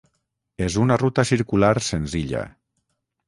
És una ruta circular senzilla